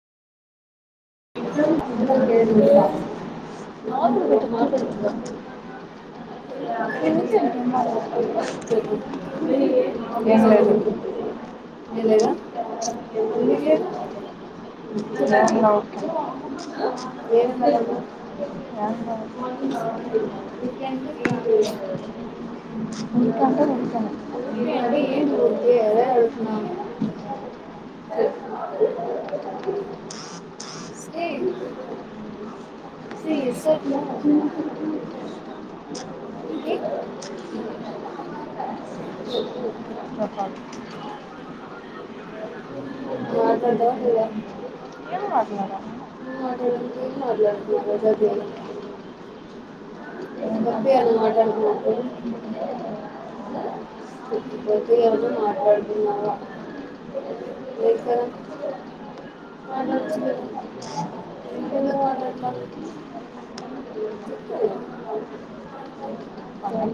[inaudible] ఏం చెప్పను ఏం లేదు ఏం లేదా ఎందుకు లేదు [unintelligible] [unintelligible] సే say S R no okay [inaudible] మాట్లాడతావా లేదా ఏం మాట్లాడాలి ఇంకేం మాట్లాతున్నావ్ రోజదే కొత్తయేమన్నా మాట్లాడత్నావా? కొత్తగేమన్నా మాట్లాడుతున్నావ? లేదు కదా మాట్లాడొచ్చు కదా ఎందుకు మాట్లాట్లా